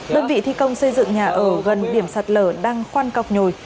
đơn vị thi công xây dựng nhà ở gần điểm sạt lở đang khoan cọc nhồi